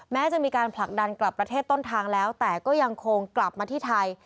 แม้จะมีการผลักดันกลับประเทศต้นทางแล้วแต่ก็ยังคงกลับมาที่ไทย